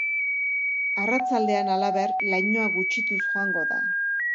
Arratsaldean, halaber, lainoa gutxituz joango da.